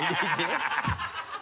ハハハ